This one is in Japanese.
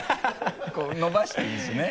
こう伸ばしていいんですね？